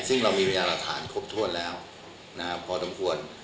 ซึ่งเรามีวิญญาณรฐานครบถ้วนแล้วพอดำควร